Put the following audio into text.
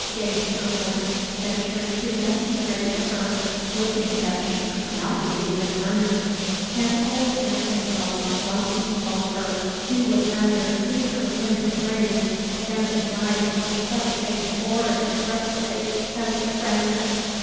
Dame Sherborne ventured to remonstrate with her, hoping she could not be in earnest; and old Anthony Rocke bluntly told her he would rather see her in her grave than the bride of such a hoary reprobate as Sir Francis.